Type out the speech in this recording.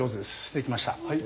できました。